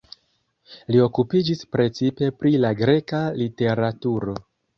Li okupiĝis precipe pri la greka literaturo.